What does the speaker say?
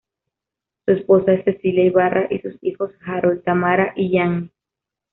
Su esposa es Cecilia Ibarra y sus hijos Harold, Tamara y Gianni.